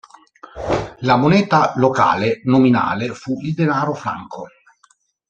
La moneta locale nominale fu il denaro franco.